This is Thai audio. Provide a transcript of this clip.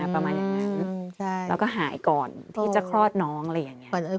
ประมาณอย่างนั้นแล้วก็หายก่อนที่จะคลอดน้องอะไรอย่างนี้